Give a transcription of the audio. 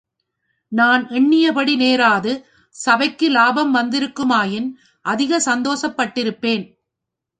நான் எண்ணியபடி நேராது, சபைக்கு லாபம் வந்திருக்குமாயின், அதிக சந்தோஷப்பட்டிருப்பேன்.